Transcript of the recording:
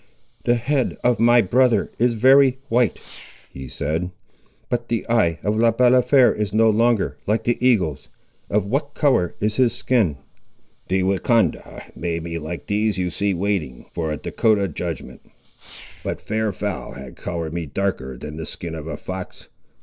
"The head of my brother is very white," he said; "but the eye of Le Balafré is no longer like the eagle's. Of what colour is his skin?" "The Wahcondah made me like these you see waiting for a Dahcotah judgment; but fair and foul has coloured me darker than the skin of a fox.